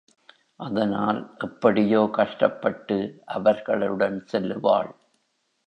அதனால் எப்படியோ கஷ்டப்பட்டு அவர்களுடன் செல்லுவாள்.